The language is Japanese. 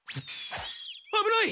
あぶない！